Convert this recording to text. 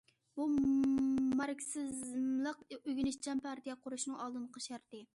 بۇ، ماركسىزملىق ئۆگىنىشچان پارتىيە قۇرۇشنىڭ ئالدىنقى شەرتى.